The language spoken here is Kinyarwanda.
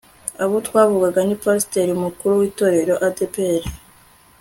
abo twavuga ni pasteur umukuru w'itorero adepr